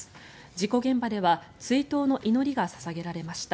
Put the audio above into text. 事故現場では追悼の祈りが捧げられました。